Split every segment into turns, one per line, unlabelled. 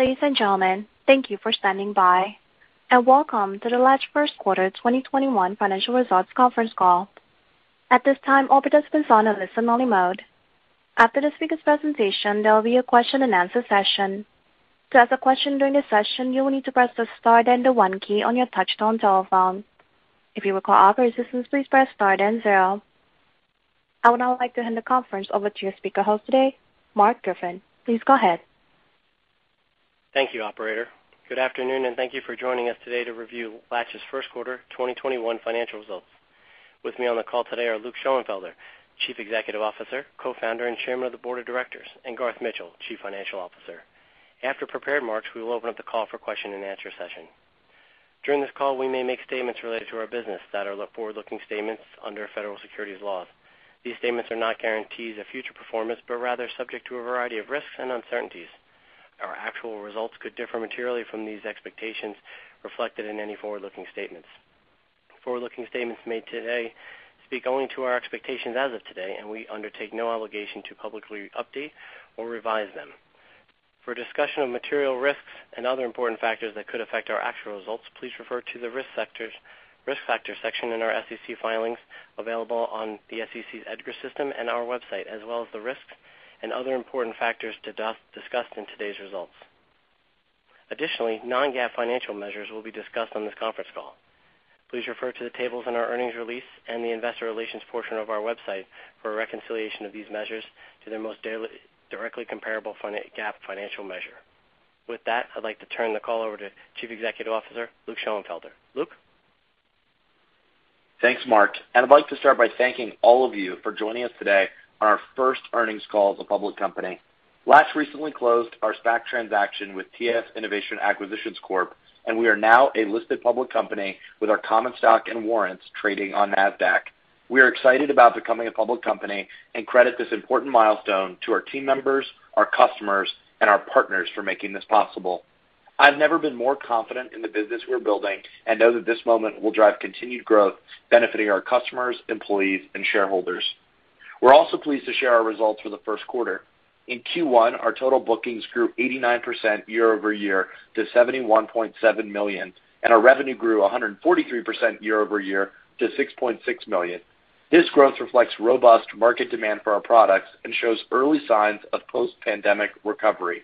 Ladies and gentlemen, thank you for standing by, and welcome to the Latch first quarter 2021 financial results conference call. At this time, all participants are in a listen-only mode. After the speaker's presentation, there will be a question-and-answer session. To ask a question during the session, you will need to press the star then the one key on your touchtone telephone. If you require operator assistance, please press star then zero. I would now like to hand the conference over to your speaker host today, Marc Griffin. Please go ahead.
Thank you, operator. Good afternoon, and thank you for joining us today to review Latch's first quarter 2021 financial results. With me on the call today are Luke Schoenfelder, Chief Executive Officer, Co-founder, and Chairman of the Board of Directors, Garth Mitchell, Chief Financial Officer. After prepared remarks, we will open up the call for a question-and-answer session. During this call, we may make statements related to our business that are forward-looking statements under federal securities laws. These statements are not guarantees of future performance, but rather subject to a variety of risks and uncertainties. Our actual results could differ materially from these expectations reflected in any forward-looking statements. Forward-looking statements made today speak only to our expectations as of today, and we undertake no obligation to publicly update or revise them. For a discussion of material risks and other important factors that could affect our actual results, please refer to the Risk Factors section in our SEC filings available on the SEC's EDGAR system and our website, as well as the risks and other important factors discussed in today's results. Additionally, non-GAAP financial measures will be discussed on this conference call. Please refer to the tables in our earnings release and the investor relations portion of our website for a reconciliation of these measures to the most directly comparable GAAP financial measure. With that, I'd like to turn the call over to Chief Executive Officer, Luke Schoenfelder. Luke?
Thanks, Marc. I'd like to start by thanking all of you for joining us today on our first earnings call as a public company. Latch recently closed our SPAC transaction with TS Innovation Acquisitions Corp. We are now a listed public company with our common stock and warrants trading on Nasdaq. We are excited about becoming a public company and credit this important milestone to our team members, our customers, and our partners for making this possible. I've never been more confident in the business we're building and know that this moment will drive continued growth benefiting our customers, employees, and shareholders. We're also pleased to share our results for the first quarter. In Q1, our total bookings grew 89% year-over-year to $71.7 million. Our revenue grew 143% year-over-year to $6.6 million. This growth reflects robust market demand for our products and shows early signs of post-pandemic recovery.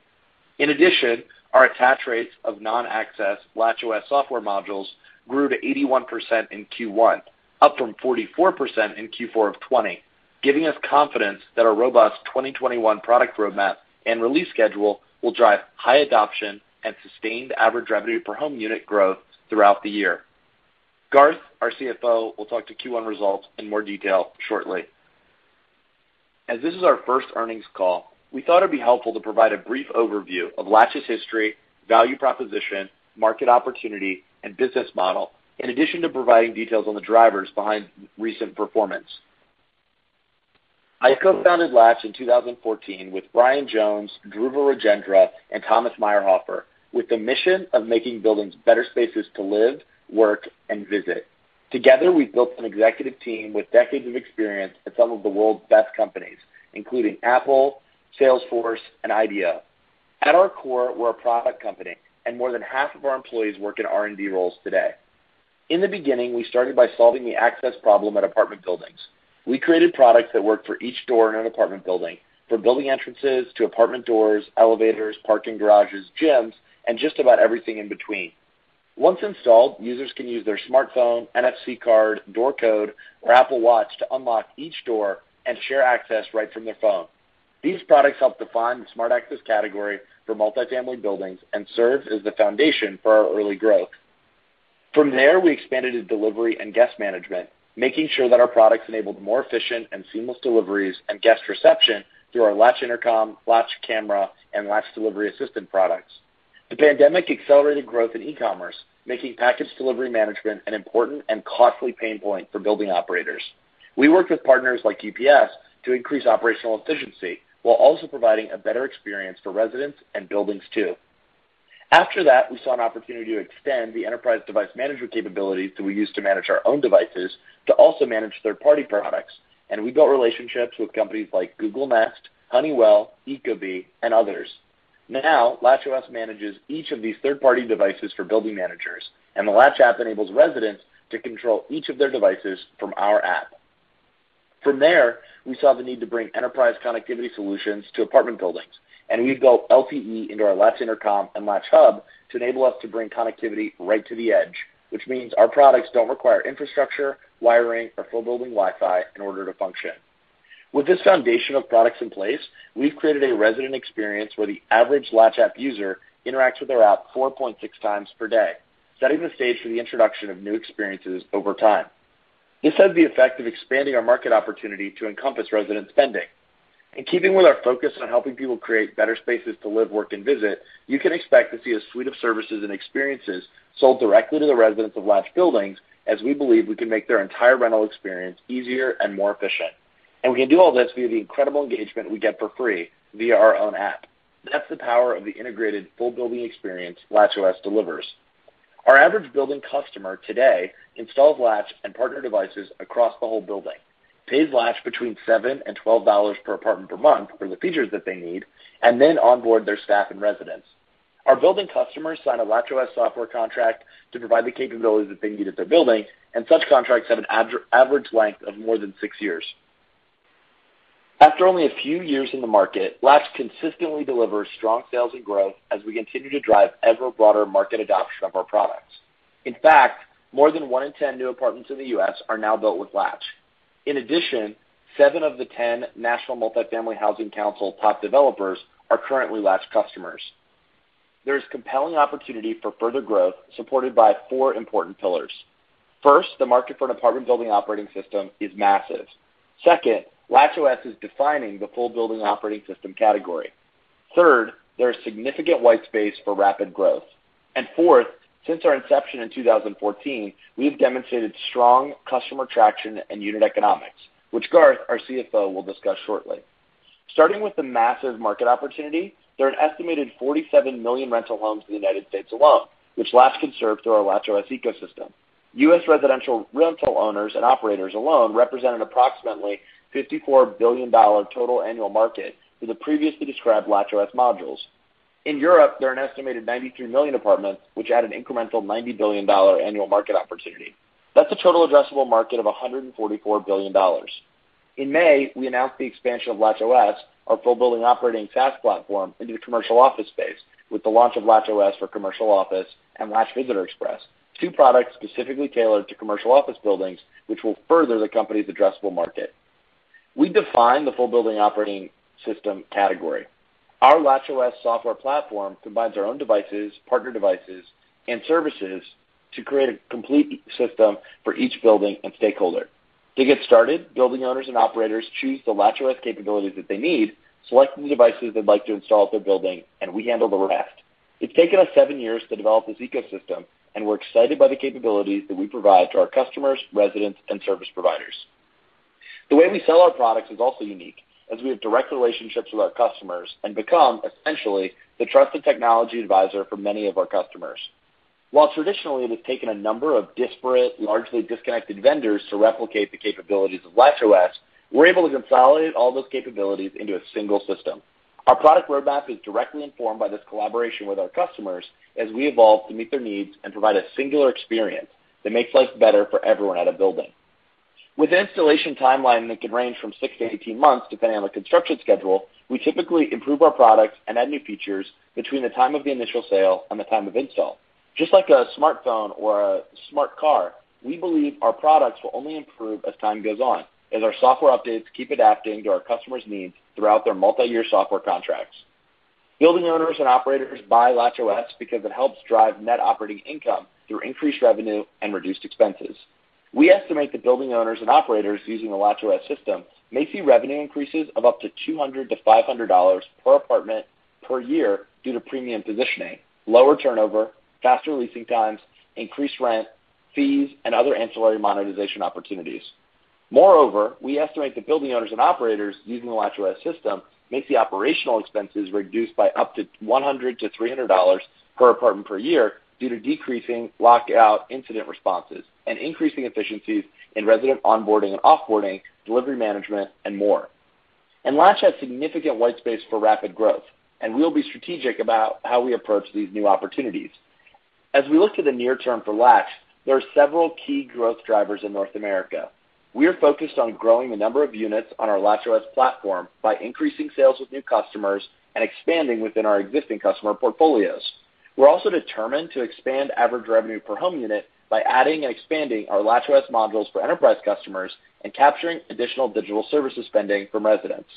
In addition, our attach rates of non-access LatchOS software modules grew to 81% in Q1, up from 44% in Q4 of 2020, giving us confidence that our robust 2021 product roadmap and release schedule will drive high adoption and sustained average revenue per home unit growth throughout the year. Garth, our CFO, will talk to Q1 results in more detail shortly. As this is our first earnings call, we thought it'd be helpful to provide a brief overview of Latch's history, value proposition, market opportunity, and business model, in addition to providing details on the drivers behind recent performance. I co-founded Latch in 2014 with Brian Jones, Dhruva Rajendra, and Thomas Meyerhoffer, with the mission of making buildings better spaces to live, work, and visit. Together, we built an executive team with decades of experience at some of the world's best companies, including Apple, Salesforce, and IDEO. At our core, we're a product company, and more than half of our employees work in R&D roles today. In the beginning, we started by solving the access problem at apartment buildings. We created products that worked for each door in an apartment building, from building entrances to apartment doors, elevators, parking garages, gyms, and just about everything in between. Once installed, users can use their smartphone, NFC card, door code, or Apple Watch to unlock each door and share access right from their phone. These products helped define the smart access category for multi-family buildings and served as the foundation for our early growth. From there, we expanded to delivery and guest management, making sure that our products enabled more efficient and seamless deliveries and guest reception through our Latch Intercom, Latch Camera, and Latch Delivery Assistant products. The pandemic accelerated growth in e-commerce, making package delivery management an important and costly pain point for building operators. We worked with partners like UPS to increase operational efficiency while also providing a better experience for residents and buildings, too. After that, we saw an opportunity to extend the enterprise device management capabilities that we use to manage our own devices to also manage third-party products, and we built relationships with companies like Google Nest, Honeywell, Ecobee, and others. Now, LatchOS manages each of these third-party devices for building managers, and the Latch app enables residents to control each of their devices from our app. From there, we saw the need to bring enterprise connectivity solutions to apartment buildings. We built LTE into our Latch Intercom and Latch Hub to enable us to bring connectivity right to the edge, which means our products don't require infrastructure, wiring, or full-building Wi-Fi in order to function. With this foundation of products in place, we've created a resident experience where the average Latch app user interacts with our app 4.6 times per day, setting the stage for the introduction of new experiences over time. This had the effect of expanding our market opportunity to encompass resident spending. In keeping with our focus on helping people create better spaces to live, work, and visit, you can expect to see a suite of services and experiences sold directly to the residents of Latch buildings, as we believe we can make their entire rental experience easier and more efficient. We can do all this via the incredible engagement we get for free via our own app. That's the power of the integrated full-building experience LatchOS delivers. Our average building customer today installs Latch and partner devices across the whole building, pays Latch between $7 and $12 per apartment per month for the features that they need, and then onboard their staff and residents. Our building customers sign a LatchOS software contract to provide the capabilities that they need at their building, and such contracts have an average length of more than six years. After only a few years in the market, Latch consistently delivers strong sales and growth as we continue to drive ever broader market adoption of our products. In fact, more than one in 10 new apartments in the U.S. are now built with Latch. In addition, seven of the 10 National Multifamily Housing Council top developers are currently Latch customers. There's compelling opportunity for further growth, supported by four important pillars. First, the market for an apartment building operating system is massive. Second, LatchOS is defining the full building operating system category. Third, there's significant white space for rapid growth. Fourth, since our inception in 2014, we've demonstrated strong customer traction and unit economics, which Garth, our CFO, will discuss shortly. Starting with the massive market opportunity, there are an estimated 47 million rental homes in the United States alone, which Latch can serve through our LatchOS ecosystem. U.S. residential rental owners and operators alone represent an approximately $54 billion total annual market for the previously described LatchOS modules. In Europe, there are an estimated 93 million apartments, which add an incremental $90 billion annual market opportunity. That's a total addressable market of $144 billion. In May, we announced the expansion of LatchOS, our full building operating SaaS platform, into commercial office space with the launch of LatchOS for Offices and Latch Visitor Express, two products specifically tailored to commercial office buildings, which will further the company's addressable market. We define the full building operating system category. Our LatchOS software platform combines our own devices, partner devices, and services to create a complete system for each building and stakeholder. To get started, building owners and operators choose the LatchOS capabilities that they need, select the devices they'd like to install at their building, and we handle the rest. It's taken us seven years to develop this ecosystem, and we're excited by the capabilities that we provide to our customers, residents, and service providers. The way we sell our products is also unique, as we have direct relationships with our customers and become, essentially, the trusted technology advisor for many of our customers. While traditionally, it has taken a number of disparate, largely disconnected vendors to replicate the capabilities of LatchOS, we're able to consolidate all those capabilities into a single system. Our product roadmap is directly informed by this collaboration with our customers as we evolve to meet their needs and provide a singular experience that makes life better for everyone at a building. With installation timeline that can range from six months-18 months, depending on the construction schedule, we typically improve our products and add new features between the time of the initial sale and the time of install. Just like a smartphone or a smart car, we believe our products will only improve as time goes on, as our software updates keep adapting to our customers' needs throughout their multi-year software contracts. Building owners and operators buy LatchOS because it helps drive net operating income through increased revenue and reduced expenses. We estimate that building owners and operators using the LatchOS system may see revenue increases of up to $200-$500 per apartment per year due to premium positioning, lower turnover, faster leasing times, increased rent, fees, and other ancillary monetization opportunities. Moreover, we estimate that building owners and operators using the LatchOS system may see operational expenses reduced by up to $100-$300 per apartment per year due to decreasing lockout incident responses and increasing efficiencies in resident onboarding and off-boarding, delivery management, and more. Latch has significant white space for rapid growth, and we'll be strategic about how we approach these new opportunities. As we look to the near term for Latch, there are several key growth drivers in North America. We are focused on growing the number of units on our LatchOS platform by increasing sales with new customers and expanding within our existing customer portfolios. We're also determined to expand average revenue per home unit by adding and expanding our LatchOS modules for enterprise customers and capturing additional digital services spending from residents.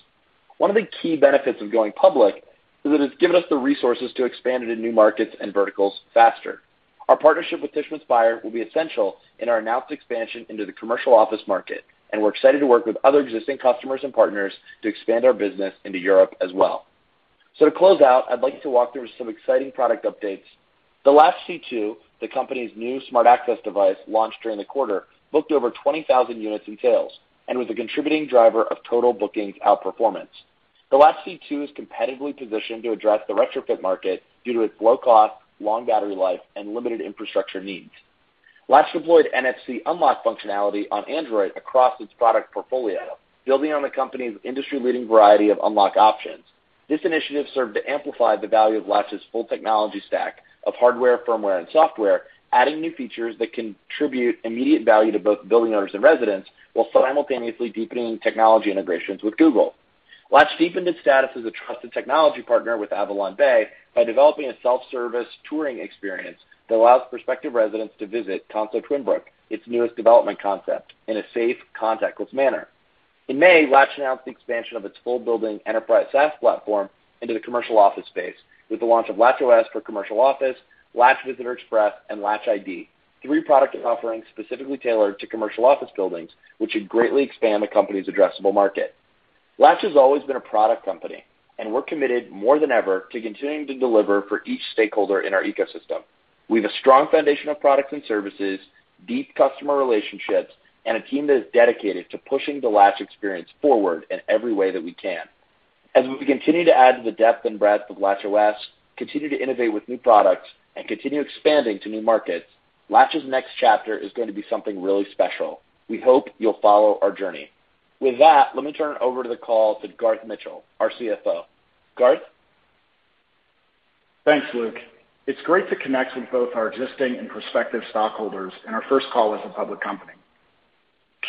One of the key benefits of going public is that it's given us the resources to expand into new markets and verticals faster. Our partnership with ThyssenKrupp will be essential in our announced expansion into the commercial office market, and we're excited to work with other existing customers and partners to expand our business into Europe as well. To close out, I'd like to walk through some exciting product updates. The Latch C2, the company's new smart access device launched during the quarter, booked over 20,000 units in sales and was a contributing driver of total bookings outperformance. The Latch C2 is competitively positioned to address the retrofit market due to its low cost, long battery life, and limited infrastructure needs. Latch deployed NFC unlock functionality on Android across its product portfolio, building on the company's industry-leading variety of unlock options. This initiative served to amplify the value of Latch's full technology stack of hardware, firmware, and software, adding new features that contribute immediate value to both building owners and residents while simultaneously deepening technology integrations with Google. Latch deepened its status as a trusted technology partner with AvalonBay by developing a self-service touring experience that allows prospective residents to visit Kanso Twinbrook, its newest development concept, in a safe, contactless manner. In May, Latch announced the expansion of its full building enterprise SaaS platform into the commercial office space with the launch of LatchOS for Offices, Latch Visitor Express, and LatchID, three product offerings specifically tailored to commercial office buildings, which should greatly expand the company's addressable market. Latch has always been a product company, and we're committed more than ever to continuing to deliver for each stakeholder in our ecosystem. We have a strong foundation of products and services, deep customer relationships, and a team that is dedicated to pushing the Latch experience forward in every way that we can. We continue to add to the depth and breadth of LatchOS, continue to innovate with new products, and continue expanding to new markets, Latch's next chapter is going to be something really special. We hope you'll follow our journey. Let me turn over the call to Garth Mitchell, our CFO. Garth?
Thanks, Luke. It's great to connect with both our existing and prospective stockholders in our first call as a public company.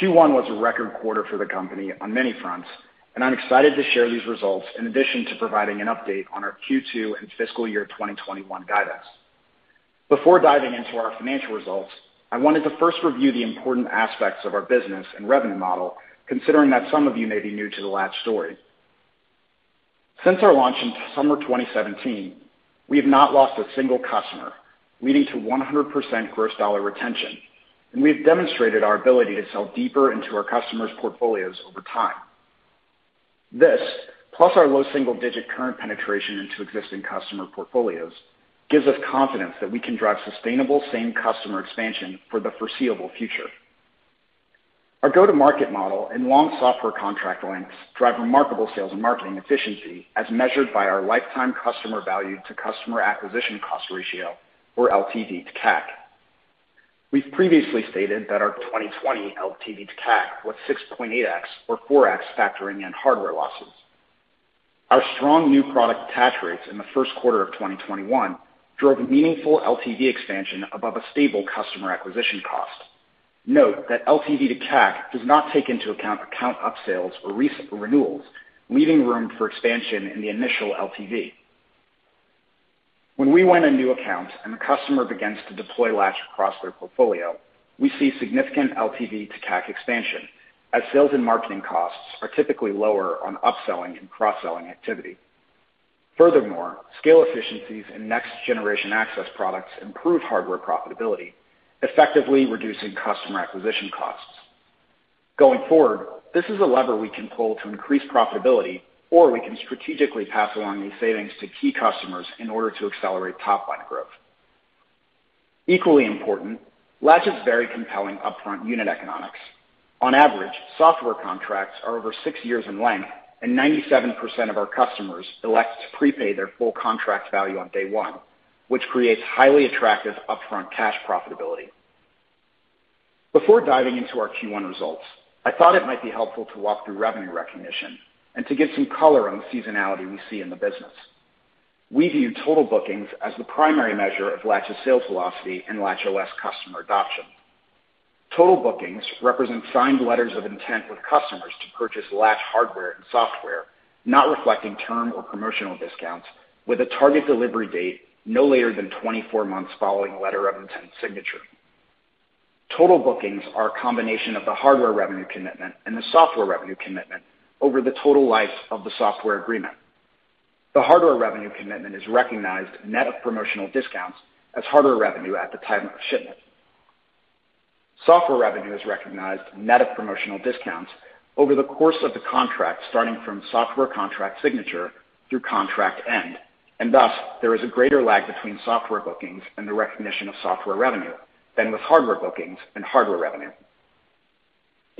Q1 was a record quarter for the company on many fronts, and I'm excited to share these results in addition to providing an update on our Q2 and fiscal year 2021 guidance. Before diving into our financial results, I wanted to first review the important aspects of our business and revenue model, considering that some of you may be new to the Latch story. Since our launch in summer 2017, we have not lost a single customer, leading to 100% gross dollar retention, and we've demonstrated our ability to sell deeper into our customers' portfolios over time. This, plus our low single-digit current penetration into existing customer portfolios, gives us confidence that we can drive sustainable same-customer expansion for the foreseeable future. Our go-to-market model and long software contract lengths drive remarkable sales and marketing efficiency as measured by our lifetime customer value to customer acquisition cost ratio, or LTV to CAC. We've previously stated that our 2020 LTV to CAC was 6.8X or 4X factoring in hardware losses. Our strong new product CAC rates in the first quarter of 2021 drove meaningful LTV expansion above a stable customer acquisition cost. Note that LTV to CAC does not take into account upsales or renewals, leaving room for expansion in the initial LTV. When we win a new account and the customer begins to deploy Latch across their portfolio, we see significant LTV to CAC expansion, as sales and marketing costs are typically lower on upselling and cross-selling activity. Furthermore, scale efficiencies and next-generation access products improve hardware profitability, effectively reducing customer acquisition costs. Going forward, this is a lever we can pull to increase profitability, or we can strategically pass along these savings to key customers in order to accelerate top-line growth. Equally important, Latch has very compelling upfront unit economics. On average, software contracts are over six years in length, and 97% of our customers elect to prepay their full contract value on day one, which creates highly attractive upfront cash profitability. Before diving into our Q1 results, I thought it might be helpful to walk through revenue recognition and to give some color on the seasonality we see in the business. We view total bookings as the primary measure of Latch's sales velocity and LatchOS customer adoption. Total bookings represent signed letters of intent with customers to purchase Latch hardware and software, not reflecting term or promotional discounts, with a target delivery date no later than 24 months following letter of intent signature. Total bookings are a combination of the hardware revenue commitment and the software revenue commitment over the total life of the software agreement. The hardware revenue commitment is recognized net of promotional discounts as hardware revenue at the time of shipment. Software revenue is recognized net of promotional discounts over the course of the contract starting from software contract signature through contract end, and thus there is a greater lag between software bookings and the recognition of software revenue than with hardware bookings and hardware revenue.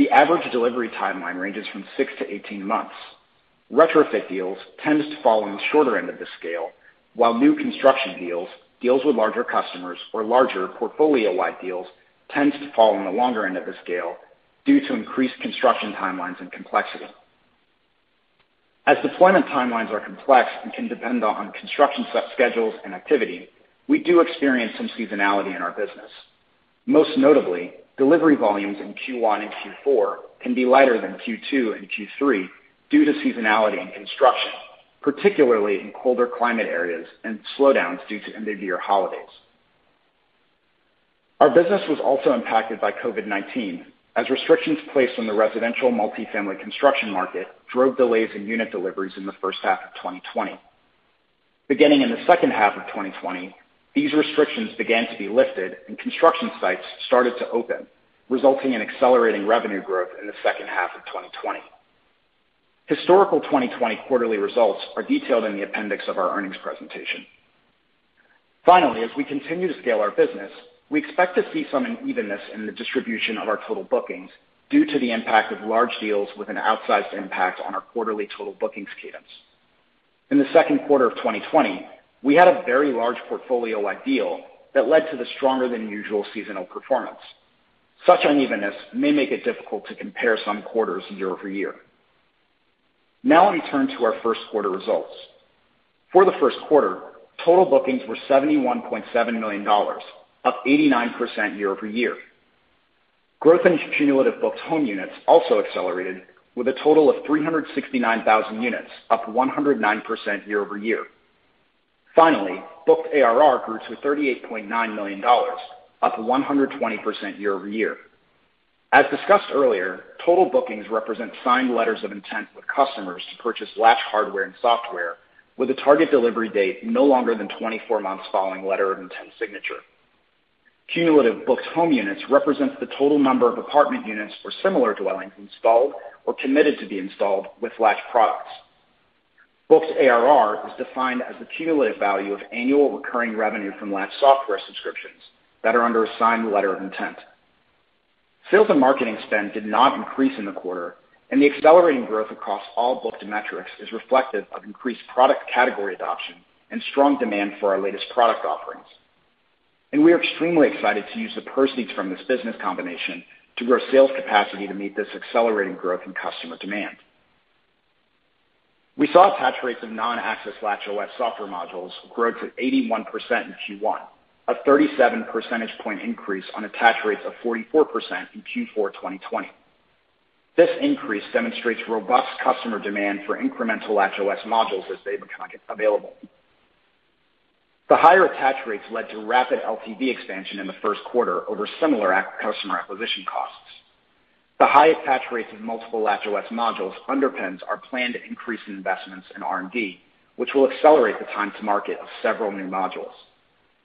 The average delivery timeline ranges from 6-18 months. Retrofit deals tend to fall on the shorter end of the scale, while new construction deals with larger customers, or larger portfolio-wide deals tend to fall on the longer end of the scale due to increased construction timelines and complexity. As deployment timelines are complex and can depend on construction site schedules and activity, we do experience some seasonality in our business. Most notably, delivery volumes in Q1 and Q4 can be lighter than Q2 and Q3 due to seasonality in construction, particularly in colder climate areas and slowdowns due to end-of-year holidays. Our business was also impacted by COVID-19, as restrictions placed on the residential multifamily construction market drove delays in unit deliveries in the first half of 2020. Beginning in the second half of 2020, these restrictions began to be lifted and construction sites started to open, resulting in accelerating revenue growth in the second half of 2020. Historical 2020 quarterly results are detailed in the appendix of our earnings presentation. As we continue to scale our business, we expect to see some unevenness in the distribution of our total bookings due to the impact of large deals with an outsized impact on our quarterly total bookings cadence. In the second quarter of 2020, we had a very large portfolio-wide deal that led to the stronger than usual seasonal performance. Such unevenness may make it difficult to compare some quarters year-over-year. Let me turn to our first quarter results. For the first quarter, total bookings were $71.7 million, up 89% year-over-year. Growth in cumulative booked home units also accelerated with a total of 369,000 units, up 109% year-over-year. Finally, booked ARR grew to $38.9 million, up 120% year-over-year. As discussed earlier, total bookings represent signed letters of intent with customers to purchase Latch hardware and software with a target delivery date no longer than 24 months following letter of intent signature. Cumulative booked home units represents the total number of apartment units or similar dwellings installed or committed to be installed with Latch products. Booked ARR is defined as the cumulative value of annual recurring revenue from Latch software subscriptions that are under a signed letter of intent. The accelerating growth across all booking metrics is reflective of increased product category adoption and strong demand for our latest product offerings. We are extremely excited to use the proceeds from this business combination to grow sales capacity to meet this accelerating growth in customer demand. We saw attach rates of non-access LatchOS software modules grow to 81% in Q1, a 37 percentage point increase on attach rates of 44% in Q4 2020. This increase demonstrates robust customer demand for incremental LatchOS modules as they become available. The higher attach rates led to rapid LTV expansion in the first quarter over similar customer acquisition costs. The high attach rates of multiple LatchOS modules underpins our plan to increase investments in R&D, which will accelerate the time to market of several new modules.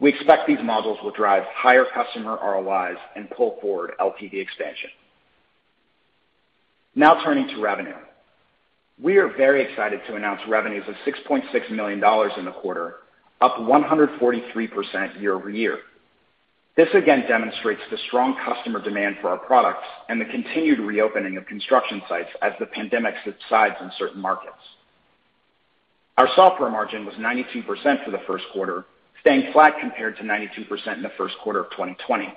We expect these modules will drive higher customer ROIs and pull forward LTV expansion. Turning to revenue. We are very excited to announce revenues of $6.6 million in the quarter, up 143% year-over-year. This again demonstrates the strong customer demand for our products and the continued reopening of construction sites as the pandemic subsides in certain markets. Our software margin was 92% for the first quarter, staying flat compared to 92% in the first quarter of 2020.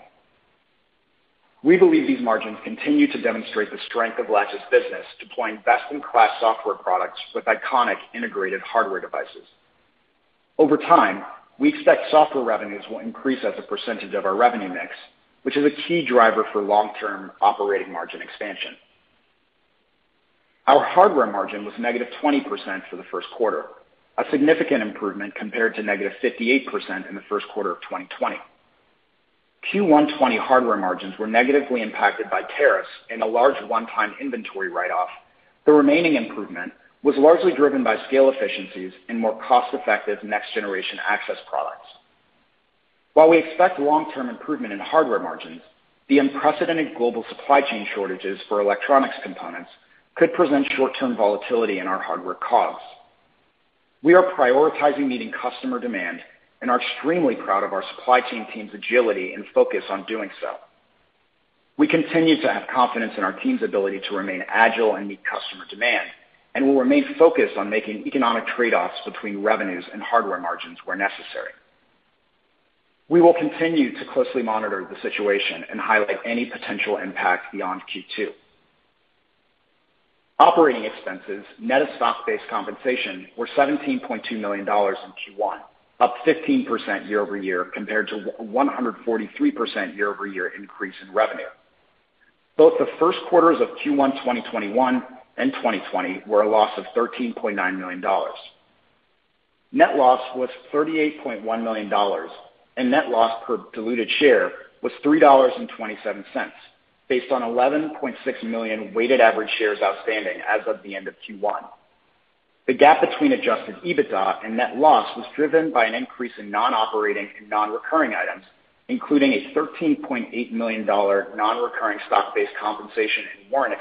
We believe these margins continue to demonstrate the strength of Latch's business deploying best-in-class software products with iconic integrated hardware devices. Over time, we expect software revenues will increase as a percentage of our revenue mix, which is a key driver for long-term operating margin expansion. Our hardware margin was negative 20% for the first quarter, a significant improvement compared to negative 58% in the first quarter of 2020. Q1 2020 hardware margins were negatively impacted by tariffs and a large one-time inventory write-off. The remaining improvement was largely driven by scale efficiencies and more cost-effective next-generation access products. While we expect long-term improvement in hardware margins, the unprecedented global supply chain shortages for electronics components could present short-term volatility in our hardware COGS. We are prioritizing meeting customer demand and are extremely proud of our supply chain team's agility and focus on doing so. We continue to have confidence in our team's ability to remain agile and meet customer demand, and will remain focused on making economic trade-offs between revenues and hardware margins where necessary. We will continue to closely monitor the situation and highlight any potential impact beyond Q2. Operating expenses, net of stock-based compensation, were $17.2 million in Q1, up 15% year-over-year compared to 143% year-over-year increase in revenue. Both the first quarters of Q1 2021 and 2020 were a loss of $13.99 million. Net loss was $38.1 million, and net loss per diluted share was $3.27, based on 11.6 million weighted average shares outstanding as of the end of Q1. The GAAP between adjusted EBITDA and net loss was driven by an increase in non-operating and non-recurring items, including a $13.8 million non-recurring stock-based compensation and warrant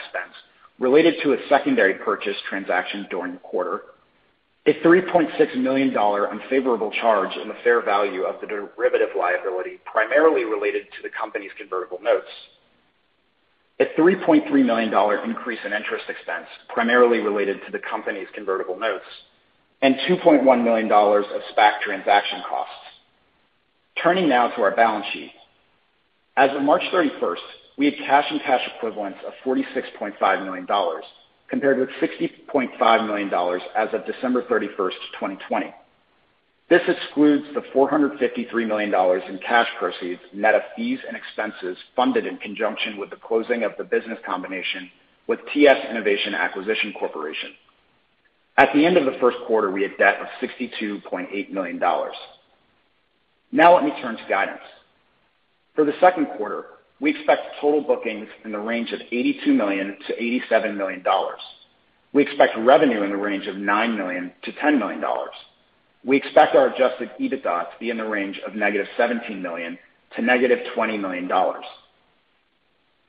expense related to a secondary purchase transaction during the quarter, a $3.6 million unfavorable charge in the fair value of the derivative liability primarily related to the company's convertible notes, a $3.3 million increase in interest expense primarily related to the company's convertible notes, and $2.1 million of SPAC transaction costs. Turning now to our balance sheet. As of March 31st, we had cash and cash equivalents of $46.5 million, compared with $60.5 million as of December 31st, 2020. This excludes the $453 million in cash proceeds, net of fees and expenses funded in conjunction with the closing of the business combination with TS Innovation Acquisition Corporation. At the end of the first quarter, we had debt of $52.8 million. Let me turn to guidance. For the second quarter, we expect total bookings in the range of $82 million-$87 million. We expect revenue in the range of $9 million-$10 million. We expect our adjusted EBITDA to be in the range of negative $17 million-negative $20 million.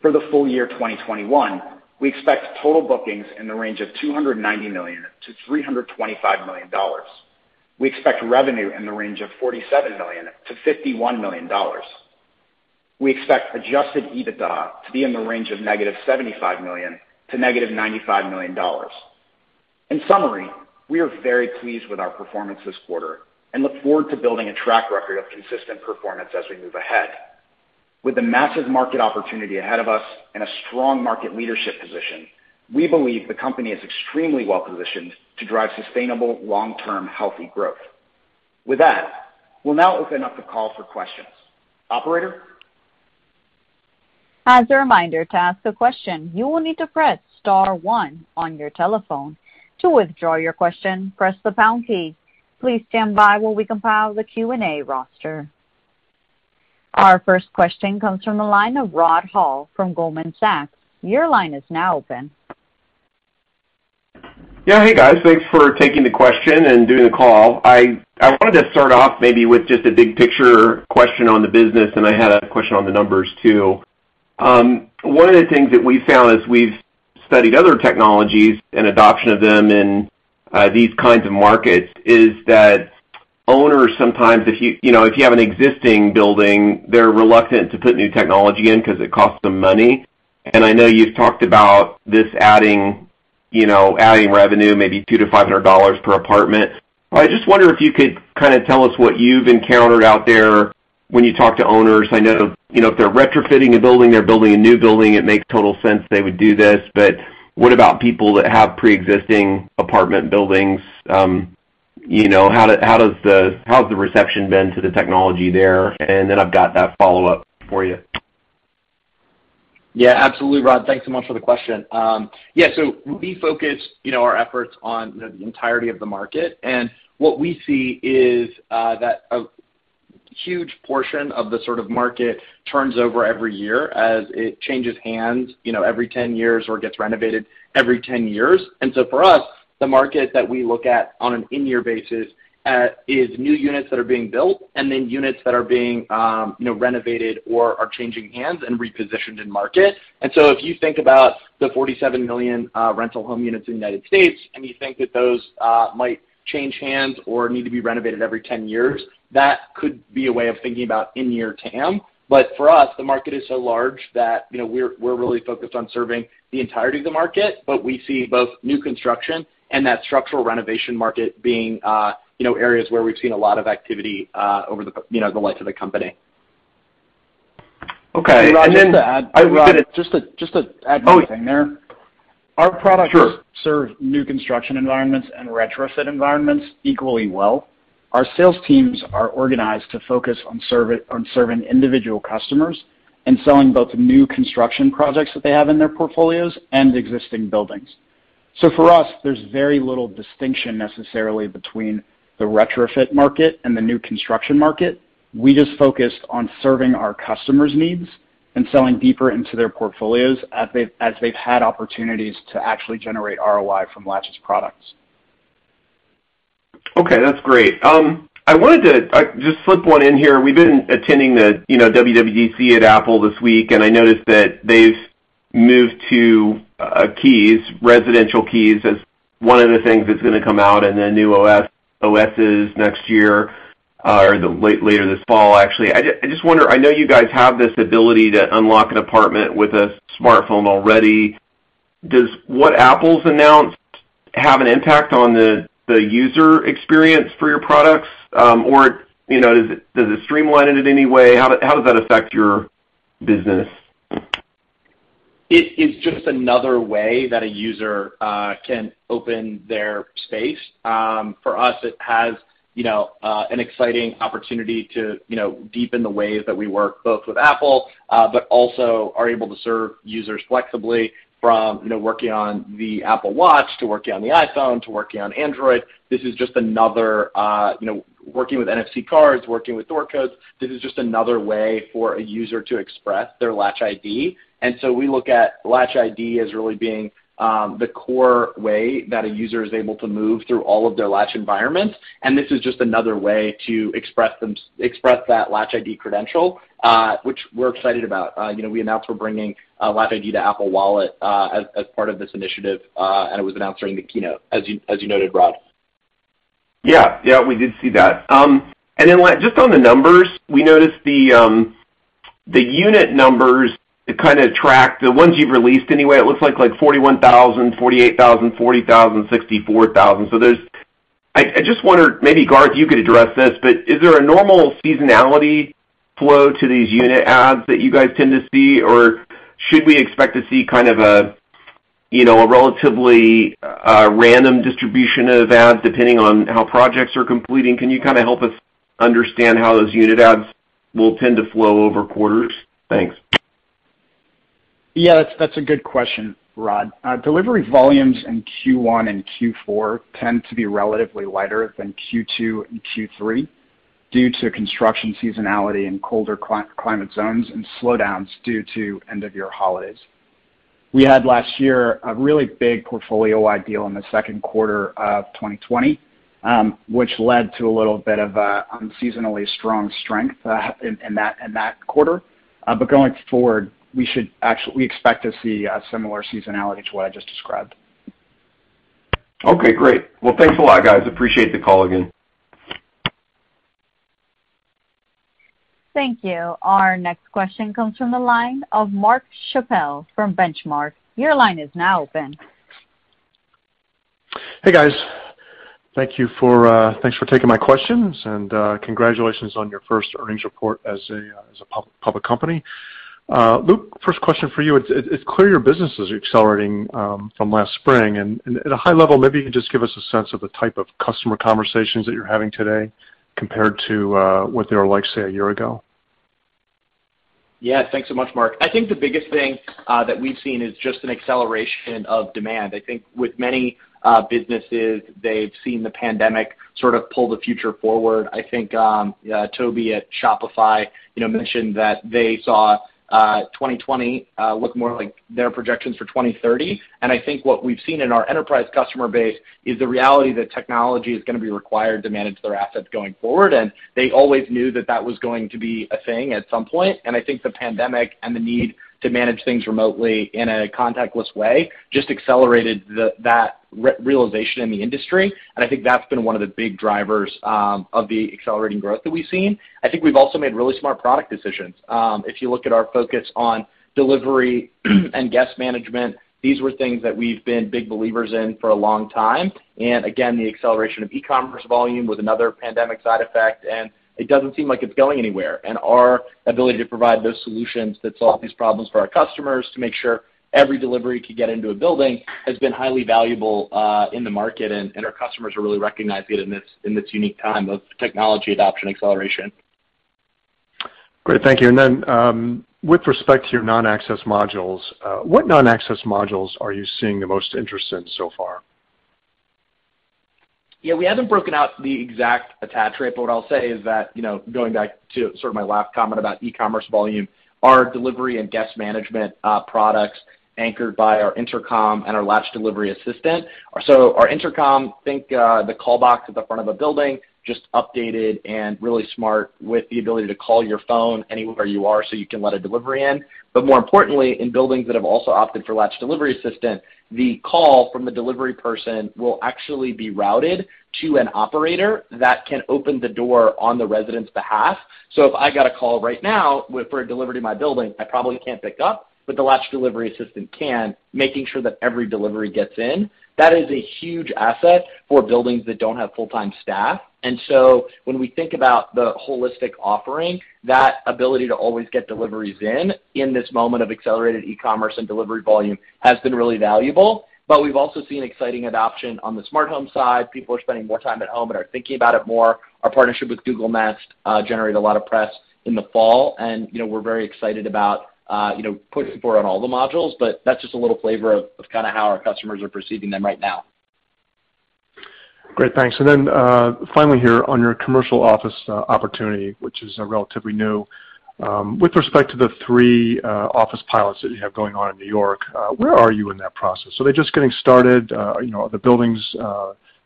For the full year 2021, we expect total bookings in the range of $290 million-$325 million. We expect revenue in the range of $47 million-$51 million. We expect adjusted EBITDA to be in the range of negative $75 million-negative $95 million. In summary, we are very pleased with our performance this quarter and look forward to building a track record of consistent performance as we move ahead. With a massive market opportunity ahead of us and a strong market leadership position, we believe the company is extremely well-positioned to drive sustainable, long-term, healthy growth. With that, we'll now open up the call for questions. Operator?
Our first question comes from the line of Rod Hall from Goldman Sachs. Your line is now open.
Yeah. Hey, guys. Thanks for taking the question and doing the call. I wanted to start off maybe with just a big picture question on the business, and I had a question on the numbers, too. Owners sometimes, if you have an existing building, they're reluctant to put new technology in because it costs them money. I know you've talked about this adding revenue, maybe $200-$500 per apartment. I just wonder if you could tell us what you've encountered out there when you talk to owners. I know if they're retrofitting a building or building a new building, it makes total sense they would do this, but what about people that have preexisting apartment buildings? How's the reception been to the technology there? I've got that follow-up for you.
Absolutely, Rod. Thanks so much for the question. We focus our efforts on the entirety of the market, and what we see is that a huge portion of the market turns over every year as it changes hands every 10 years or gets renovated every 10 years. For us, the market that we look at on an in-year basis is new units that are being built and then units that are being renovated or are changing hands and repositioned in market. If you think about the 47 million rental home units in the United States, and you think that those might change hands or need to be renovated every 10 years, that could be a way of thinking about in-year TAM. For us, the market is so large that we're really focused on serving the entirety of the market, but we see both new construction and that structural renovation market being areas where we've seen a lot of activity over the life of the company.
Okay.
Just to add one thing there.
Oh, sure.
Our products serve new construction environments and retrofit environments equally well. Our sales teams are organized to focus on serving individual customers and selling both new construction projects that they have in their portfolios and existing buildings. For us, there's very little distinction necessarily between the retrofit market and the new construction market. We just focus on serving our customers' needs and selling deeper into their portfolios as they've had opportunities to actually generate ROI from Latch's products.
Okay, that's great. I wanted to just slip one in here. We've been attending the WWDC at Apple this week, I noticed that they've moved to residential keys as one of the things that's going to come out in the new OSs next year, or later this fall, actually. I just wonder, I know you guys have this ability to unlock an apartment with a smartphone already. Does what Apple's announced have an impact on the user experience for your products? Does it streamline it in any way? How does that affect your business?
It is just another way that a user can open their space. For us, it has an exciting opportunity to deepen the ways that we work both with Apple, but also are able to serve users flexibly from working on the Apple Watch to working on the iPhone to working on Android. Working with NFC cards, working with door codes, this is just another way for a user to express their LatchID. We look at LatchID as really being the core way that a user is able to move through all of their Latch environments. This is just another way to express that LatchID credential, which we're excited about. We announced we're bringing LatchID to Apple Wallet as part of this initiative, and was announced during the keynote, as you noted, Rod.
Yeah, we did see that. Then just on the numbers, we noticed the unit numbers kind of tracked, the ones you've released anyway, it looks like 41,000, 48,000, 40,000, 64,000. I just wonder, maybe Garth, you could address this, but is there a normal seasonality flow to these unit adds that you guys tend to see? Should we expect to see a relatively random distribution of adds depending on how projects are completing? Can you help us understand how those unit adds will tend to flow over quarters? Thanks.
Yeah, that's a good question, Rod. Delivery volumes in Q1 and Q4 tend to be relatively lighter than Q2 and Q3 due to construction seasonality in colder climate zones and slowdowns due to end-of-year holidays. We had last year a really big portfolio-wide deal in the second quarter of 2020, which led to a little bit of an unseasonably strong strength in that quarter. Going forward, we expect to see a similar seasonality to what I just described.
Okay, great. Well, thanks a lot, guys. Appreciate the call again.
Thank you. Our next question comes from the line of Mark Chappell from Benchmark. Your line is now open.
Hey, guys. Thanks for taking my questions, and congratulations on your first earnings report as a public company. Luke, first question for you. It's clear your business is accelerating from last spring. At a high level, maybe you can just give us a sense of the type of customer conversations that you're having today compared to what they were like, say, a year ago?
Yeah. Thanks so much, Mark. I think the biggest thing that we've seen is just an acceleration of demand. I think with many businesses, they've seen the pandemic sort of pull the future forward. I think Tobi at Shopify mentioned that they saw 2020 look more like their projections for 2030. I think what we've seen in our enterprise customer base is the reality that technology is going to be required to manage their assets going forward. They always knew that that was going to be a thing at some point. I think the pandemic and the need to manage things remotely in a contactless way just accelerated that realization in the industry. I think that's been one of the big drivers of the accelerating growth that we've seen. I think we've also made really smart product decisions. If you look at our focus on delivery and guest management, these were things that we've been big believers in for a long time. Again, the acceleration of e-commerce volume was another pandemic side effect, and it doesn't seem like it's going anywhere. Our ability to provide those solutions that solve these problems for our customers to make sure every delivery can get into a building has been highly valuable in the market, and our customers are really recognizing it in this unique time of technology adoption acceleration.
Great. Thank you. With respect to your non-access modules, what non-access modules are you seeing the most interest in so far?
Yeah, we haven't broken out the exact attach rate, but what I'll say is that, going back to my last comment about e-commerce volume, our delivery and guest management products, anchored by our Latch Intercom and our Latch Delivery Assistant. Our Latch Intercom, think the call box at the front of a building, just updated and really smart with the ability to call your phone anywhere you are so you can let a delivery in. More importantly, in buildings that have also opted for Latch Delivery Assistant, the call from the delivery person will actually be routed to an operator that can open the door on the resident's behalf. If I got a call right now for a delivery in my building, I probably can't pick up, but the Latch Delivery Assistant can, making sure that every delivery gets in. That is a huge asset for buildings that don't have full-time staff. When we think about the holistic offering, that ability to always get deliveries in in this moment of accelerated e-commerce and delivery volume has been really valuable. We've also seen exciting adoption on the smartphone side. People are spending more time at home and are thinking about it more. Our partnership with Google Nest generated a lot of press in the fall, and we're very excited about pushing forward on all the modules. That's just a little flavor of how our customers are perceiving them right now.
Great. Thanks. Finally here on your commercial office opportunity, which is relatively new. With respect to the three office pilots that you have going on in New York, where are you in that process? Are they just getting started? The buildings,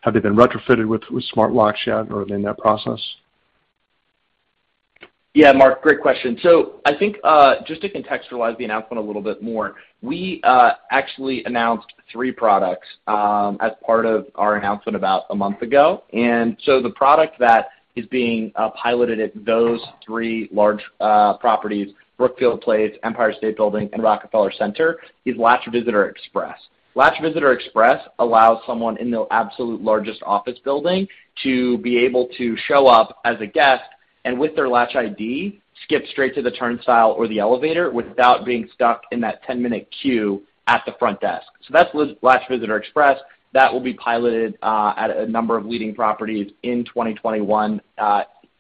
have they been retrofitted with smart locks yet, or are they in that process?
Yeah, Mark, great question. I think just to contextualize the announcement a little bit more, we actually announced three products as part of our announcement about a month ago. The product that is being piloted at those three large properties, Brookfield Place, Empire State Building, and Rockefeller Center, is Latch Visitor Express. Latch Visitor Express allows someone in the absolute largest office building to be able to show up as a guest and with their LatchID, skip straight to the turnstile or the elevator without being stuck in that 10-minute queue at the front desk. That's Latch Visitor Express. That will be piloted at a number of leading properties in 2021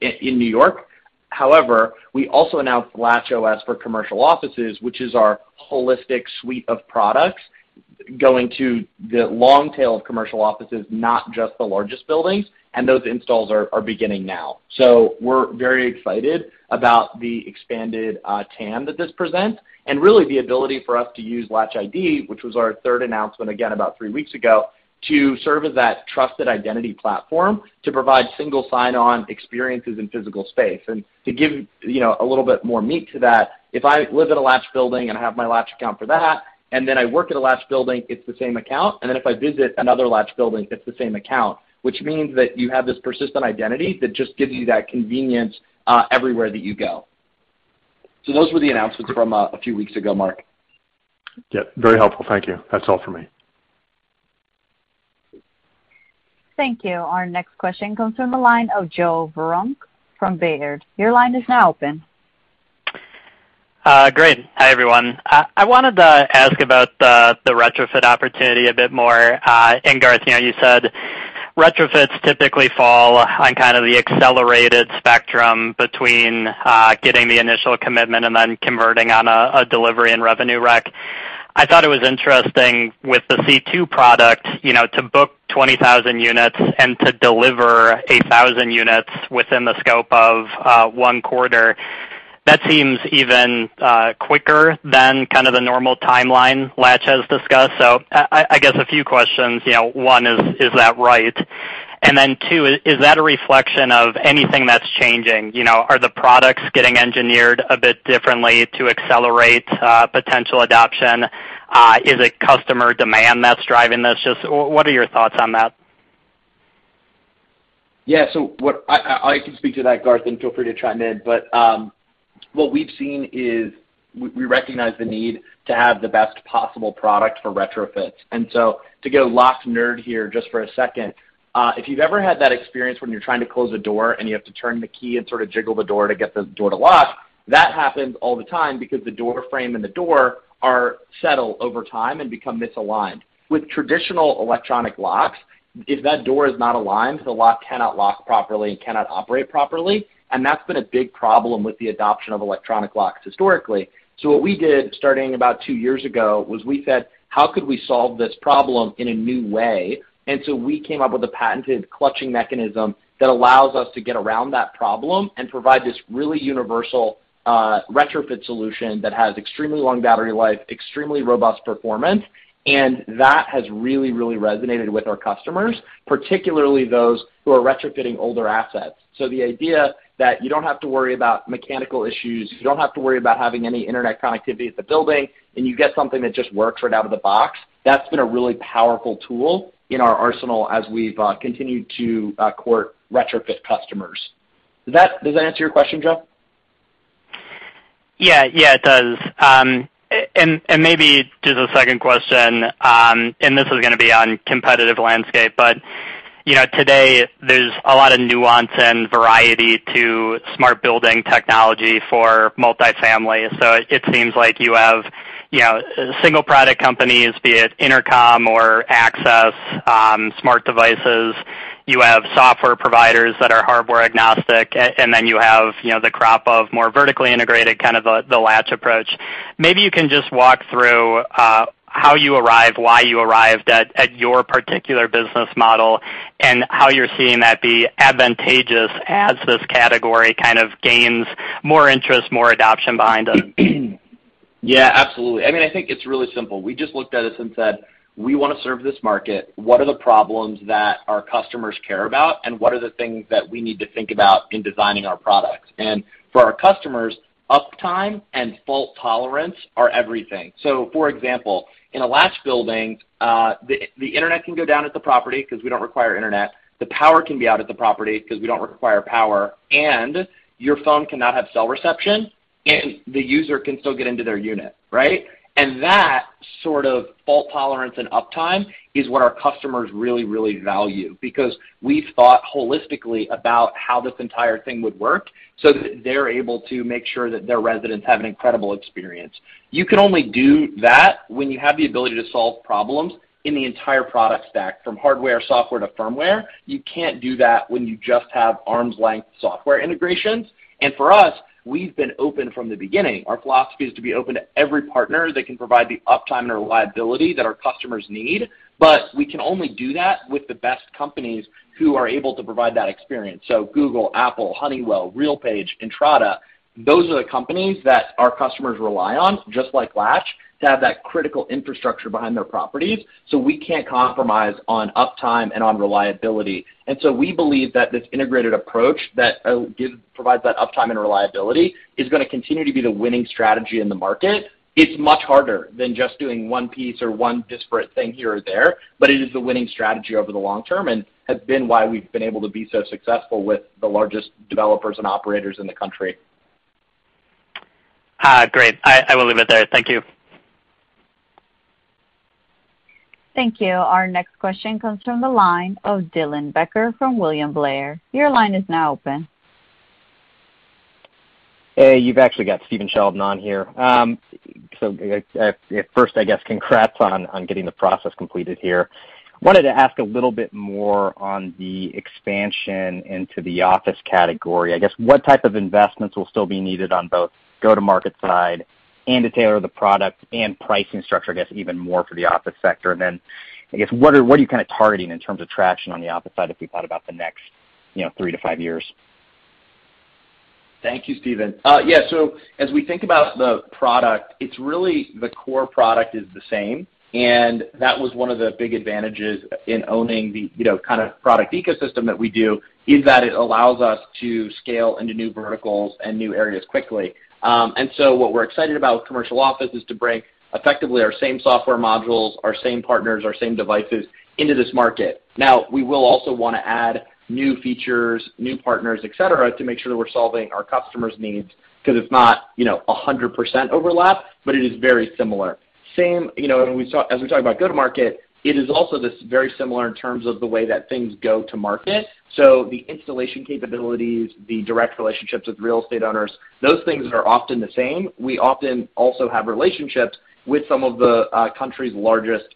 in New York. However, we also announced LatchOS for Offices, which is our holistic suite of products going to the long tail of commercial offices, not just the largest buildings. Those installs are beginning now. We're very excited about the expanded TAM that this presents and really the ability for us to use LatchID, which was our third announcement, again about three weeks ago, to serve as that trusted identity platform to provide single sign-on experiences in physical space. To give a little bit more meat to that, if I live in a Latch building and I have my Latch account for that, and then I work at a Latch building, it's the same account. If I visit another Latch building, it's the same account. Which means that you have this persistent identity that just gives you that convenience everywhere that you go. Those were the announcements from a few weeks ago, Mark.
Very helpful. Thank you. That is all for me.
Thank you. Our next question comes from the line of Joe Vruwink from Baird. Your line is now open.
Great. Hi, everyone. I wanted to ask about the retrofit opportunity a bit more. Garth, I know you said retrofits typically fall on kind of the accelerated spectrum between getting the initial commitment and then converting on a delivery and revenue rec. I thought it was interesting with the C2 product, to book 20,000 units and to deliver 8,000 units within the scope of one quarter. That seems even quicker than kind of the normal timeline Latch has discussed. I guess a few questions. One, is that right? Two, is that a reflection of anything that's changing? Are the products getting engineered a bit differently to accelerate potential adoption? Is it customer demand that's driving this? Just what are your thoughts on that?
Yeah. I can speak to that, Garth, and feel free to chime in. What we've seen is we recognize the need to have the best possible product for retrofits. To go lock nerd here just for a second, if you've ever had that experience when you're trying to close a door and you have to turn the key and sort of jiggle the door to get the door to lock, that happens all the time because the door frame and the door are settled over time and become misaligned. With traditional electronic locks, if that door is not aligned, the lock cannot lock properly and cannot operate properly, and that's been a big problem with the adoption of electronic locks historically. What we did, starting about two years ago, was we said, "How could we solve this problem in a new way?" We came up with a patented clutching mechanism that allows us to get around that problem and provide this really universal retrofit solution that has extremely long battery life, extremely robust performance, and that has really, really resonated with our customers, particularly those who are retrofitting older assets. The idea that you don't have to worry about mechanical issues, you don't have to worry about having any internet connectivity at the building, and you get something that just works right out of the box, that's been a really powerful tool in our arsenal as we've continued to court retrofit customers. Does that answer your question, Joe?
Yeah, it does. Maybe just a second question, and this is going to be on competitive landscape, but today there's a lot of nuance and variety to smart building technology for multifamily. It seems like you have single product companies, be it intercom or access, smart devices. You have software providers that are hardware agnostic, and then you have the crop of more vertically integrated, kind of the Latch approach. Maybe you can just walk through how you arrived, why you arrived at your particular business model, and how you're seeing that be advantageous as this category kind of gains more interest, more adoption behind it.
Yeah, absolutely. I think it's really simple. We just looked at this and said, "We want to serve this market. What are the problems that our customers care about, and what are the things that we need to think about in designing our products?" For our customers, uptime and fault tolerance are everything. For example, in a Latch building, the internet can go down at the property because we don't require internet. The power can be out at the property because we don't require power, and your phone can not have cell reception, and the user can still get into their unit, right? That sort of fault tolerance and uptime is what our customers really value because we thought holistically about how this entire thing would work so that they're able to make sure that their residents have an incredible experience. You can only do that when you have the ability to solve problems in the entire product stack, from hardware, software to firmware. You can't do that when you just have arm's length software integrations. For us, we've been open from the beginning. Our philosophy is to be open to every partner that can provide the uptime and reliability that our customers need. We can only do that with the best companies who are able to provide that experience. Google, Apple, Honeywell, RealPage, Entrata, those are the companies that our customers rely on, just like Latch, to have that critical infrastructure behind their properties. We can't compromise on uptime and on reliability. We believe that this integrated approach that provides that uptime and reliability is going to continue to be the winning strategy in the market. It's much harder than just doing one piece or one disparate thing here or there. It is the winning strategy over the long term and has been why we've been able to be so successful with the largest developers and operators in the country.
Great. I will leave it there. Thank you.
Thank you. Our next question comes from the line of Dylan Becker from William Blair. Your line is now open.
You've actually got Stephen Sheldon on here. First, I guess congrats on getting the process completed here. I wanted to ask a little bit more on the expansion into the office category. I guess what type of investments will still be needed on both go-to-market side and to tailor the product and pricing structure, I guess, even more for the office sector? Then I guess what are you kind of targeting in terms of traction on the office side if we thought about the next three to five years?
Thank you, Stephen. As we think about the product, it's really the core product is the same. That was one of the big advantages in owning the kind of product ecosystem that we do, is that it allows us to scale into new verticals and new areas quickly. What we're excited about with commercial office is to bring effectively our same software modules, our same partners, our same devices into this market. We will also want to add new features, new partners, et cetera, to make sure we're solving our customers' needs, because it's not 100% overlap, but it is very similar. Same, as we talk about go-to-market, it is also this very similar in terms of the way that things go to market. The installation capabilities, the direct relationships with real estate owners, those things are often the same. We often also have relationships with some of the country's largest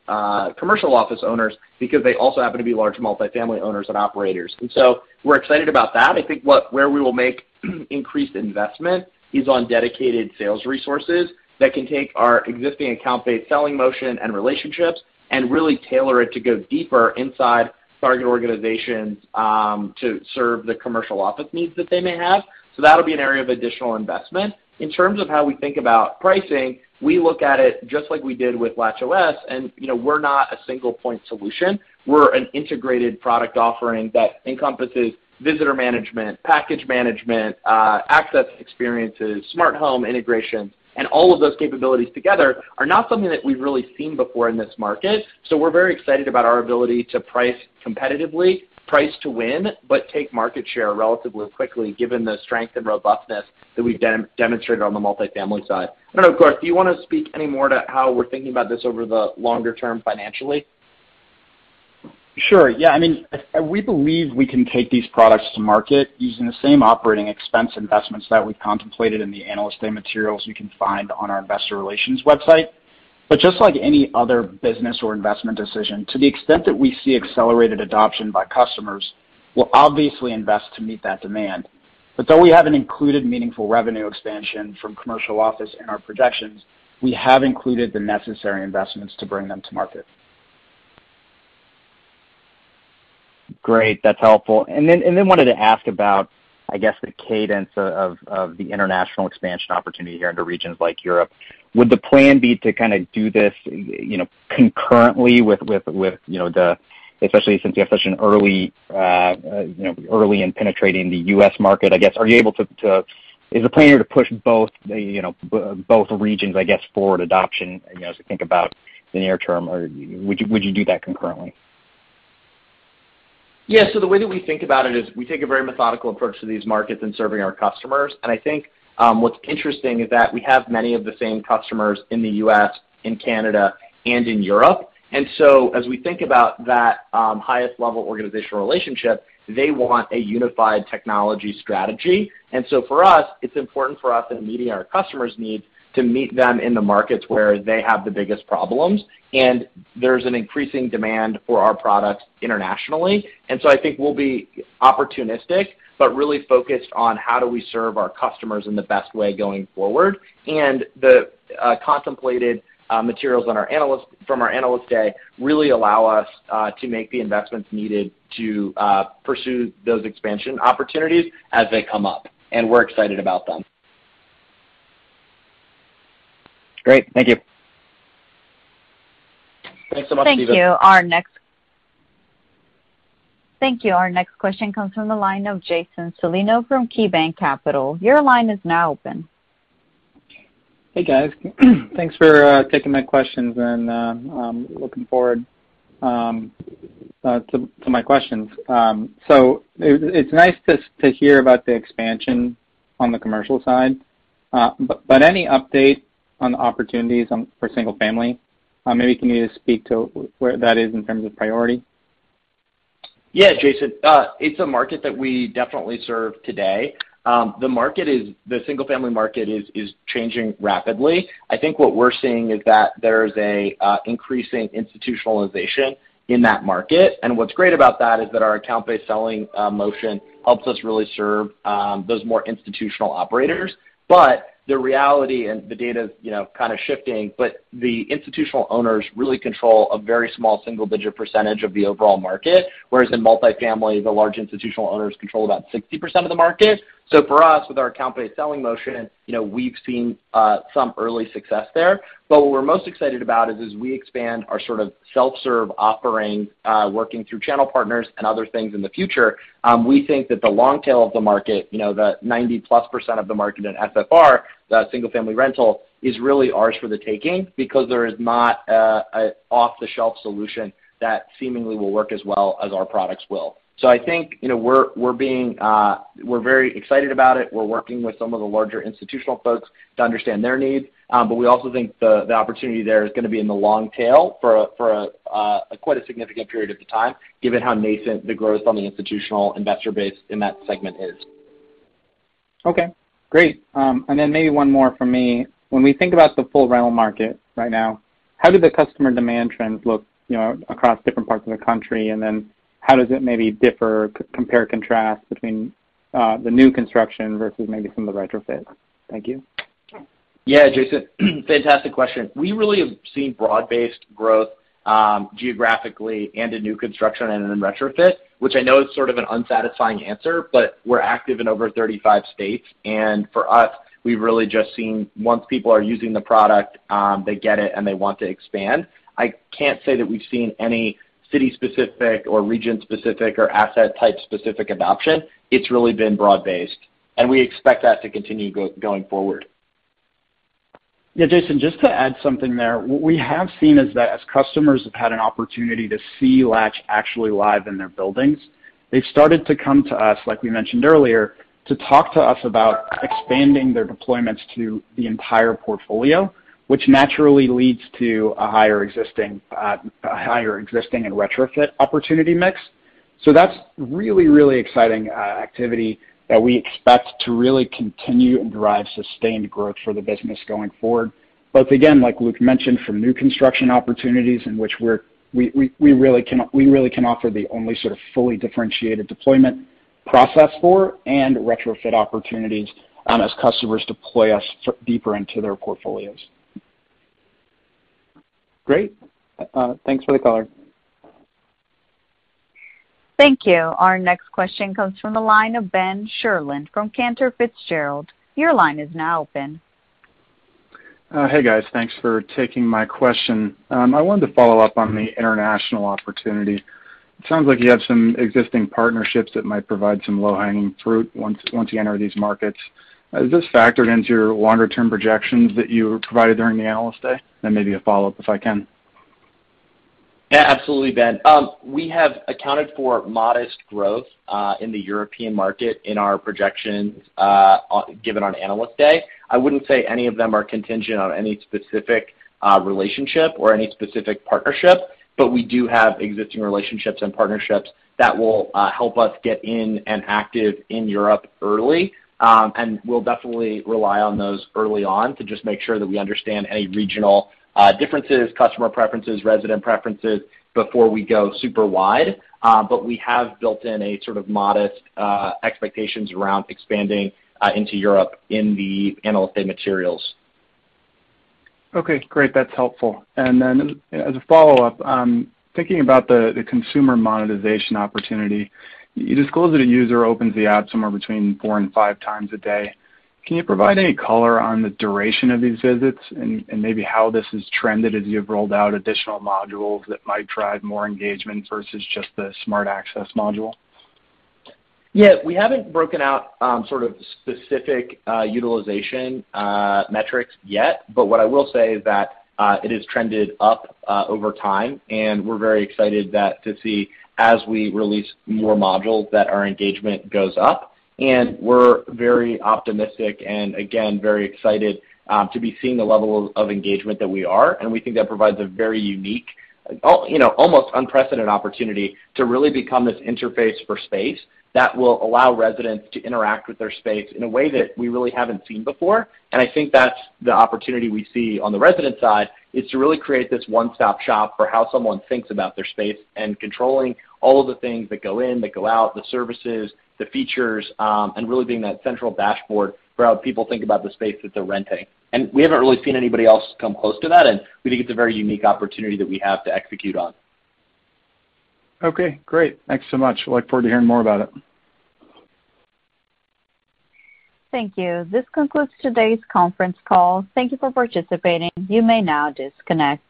commercial office owners because they also happen to be large multi-family owners and operators. We're excited about that. I think where we will make increased investment is on dedicated sales resources that can take our existing account-based selling motion and relationships and really tailor it to go deeper inside target organizations to serve the commercial office needs that they may have. That'll be an area of additional investment. In terms of how we think about pricing, we look at it just like we did with LatchOS, and we're not a single point solution. We're an integrated product offering that encompasses visitor management, package management, access experiences, smart home integrations, and all of those capabilities together are not something that we've really seen before in this market. We're very excited about our ability to price competitively, price to win, but take market share relatively quickly given the strength and robustness that we've demonstrated on the multi-family side. Of course, do you want to speak any more to how we're thinking about this over the longer term financially? Sure. We believe we can take these products to market using the same operating expense investments that we contemplated in the Analyst day materials you can find on our investor relations website. Just like any other business or investment decision, to the extent that we see accelerated adoption by customers, we'll obviously invest to meet that demand. Though we haven't included meaningful revenue expansion from commercial office in our projections, we have included the necessary investments to bring them to market.
Great. That's helpful. Wanted to ask about, I guess, the cadence of the international expansion opportunity here into regions like Europe. Would the plan be to do this concurrently, especially since you have such an early in penetrating the U.S. market, I guess, is the plan here to push both regions, I guess, forward adoption as we think about the near term? Would you do that concurrently?
Yeah. The way that we think about it is we take a very methodical approach to these markets in serving our customers. I think what's interesting is that we have many of the same customers in the U.S., in Canada, and in Europe. As we think about that highest-level organizational relationship, they want a unified technology strategy. For us, it's important for us in meeting our customers' needs to meet them in the markets where they have the biggest problems. There's an increasing demand for our products internationally. I think we'll be opportunistic, but really focused on how do we serve our customers in the best way going forward. The contemplated materials from our Analyst Day really allow us to make the investments needed to pursue those expansion opportunities as they come up. We're excited about them.
Great. Thank you.
Thanks so much, Stephen.
Thank you. Our next question comes from the line of Jason Celino from KeyBanc Capital. Your line is now open.
Hey, guys. Thanks for taking my questions and looking forward to my questions. It's nice to hear about the expansion on the commercial side. Any update on opportunities for single family? Maybe can you just speak to where that is in terms of priority?
Yeah, Jason, it's a market that we definitely serve today. The single-family market is changing rapidly. I think what we're seeing is that there's an increasing institutionalization in that market, and what's great about that is that our account-based selling motion helps us really serve those more institutional operators. The reality and the data's shifting, but the institutional owners really control a very small single-digit percentage of the overall market, whereas in multifamily, the large institutional owners control about 60% of the market. For us, with our account-based selling motion, we've seen some early success there. What we're most excited about is as we expand our sort of self-serve offerings, working through channel partners and other things in the future, we think that the long tail of the market, the 90+% of the market in SFR, the single-family rental, is really ours for the taking because there is not an off-the-shelf solution that seemingly will work as well as our products will. I think we're very excited about it. We're working with some of the larger institutional folks to understand their needs. We also think the opportunity there is going to be in the long tail for quite a significant period of time, given how nascent the growth on the institutional investor base in that segment is.
Okay, great. Maybe one more from me. When we think about the full rental market right now, how do the customer demand trends look across different parts of the country, and then how does it maybe differ, compare and contrast between the new construction versus maybe some of the retrofit? Thank you.
Yeah, Jason, fantastic question. We really have seen broad-based growth geographically and in new construction and in retrofit, which I know is sort of an unsatisfying answer, but we're active in over 35 states. For us, we've really just seen once people are using the product, they get it, and they want to expand. I can't say that we've seen any city-specific or region-specific or asset type-specific adoption. It's really been broad-based, and we expect that to continue going forward.
Jason, just to add something there. What we have seen is that as customers have had an opportunity to see Latch actually live in their buildings, they've started to come to us, like we mentioned earlier, to talk to us about expanding their deployments to the entire portfolio, which naturally leads to a higher existing and retrofit opportunity mix. That's really, really exciting activity that we expect to really continue and drive sustained growth for the business going forward. Both, again, like Luke mentioned, from new construction opportunities in which we really can offer the only sort of fully differentiated deployment process for and retrofit opportunities as customers deploy us deeper into their portfolios.
Great. Thanks for the color.
Thank you. Our next question comes from the line of Ben Sherlund from Cantor Fitzgerald. Your line is now open.
Hey, guys. Thanks for taking my question. I wanted to follow up on the international opportunity. It sounds like you have some existing partnerships that might provide some low-hanging fruit once you enter these markets. Is this factored into your longer-term projections that you provided during the Analyst Day? Maybe a follow-up if I can.
Yeah, absolutely, Ben. We have accounted for modest growth in the European market in our projections given on Analyst Day. I wouldn't say any of them are contingent on any specific relationship or any specific partnership, but we do have existing relationships and partnerships that will help us get in and active in Europe early. We'll definitely rely on those early on to just make sure that we understand any regional differences, customer preferences, resident preferences, before we go super wide. We have built in a sort of modest expectations around expanding into Europe in the Analyst Day materials.
Okay, great. That's helpful. Then as a follow-up, thinking about the consumer monetization opportunity, you disclosed that a user opens the app somewhere between four and five times a day. Can you provide any color on the duration of these visits and maybe how this has trended as you've rolled out additional modules that might drive more engagement versus just the Smart Access module?
We haven't broken out specific utilization metrics yet. What I will say is that it has trended up over time, and we're very excited to see, as we release more modules, that our engagement goes up. We're very optimistic and, again, very excited to be seeing the level of engagement that we are. We think that provides a very unique, almost unprecedented opportunity to really become this interface for space that will allow residents to interact with their space in a way that we really haven't seen before. I think that's the opportunity we see on the resident side, is to really create this one-stop shop for how someone thinks about their space and controlling all of the things that go in, that go out, the services, the features, and really being that central dashboard for how people think about the space that they're renting. We haven't really seen anybody else come close to that, and we think it's a very unique opportunity that we have to execute on.
Okay, great. Thanks so much. Look forward to hearing more about it.
Thank you. This concludes today's conference call. Thank you for participating. You may now disconnect.